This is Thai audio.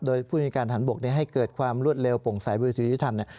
โดยผู้จำการทันบกให้เกิดความรวดเร็วปงสายบริษัทวิทยุทธรรมนี่